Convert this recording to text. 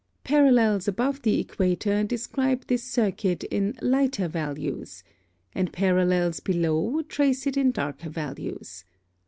Parallels above the equator describe this circuit in lighter values, and parallels below trace it in darker values.